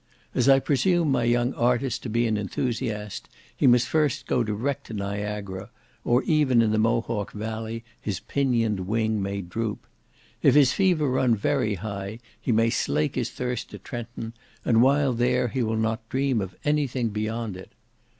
As I presume my young artist to be an enthusiast, he must first go direct to Niagara, or even in the Mohawk valley his pinioned wing may droop. If his fever run very high, he may slake his thirst at Trenton, and while there, he will not dream of any thing beyond it.